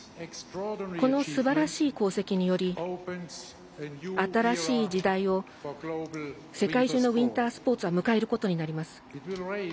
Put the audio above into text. このすばらしい功績により新しい時代を世界中のウインタースポーツは迎えることになります。